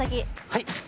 はい。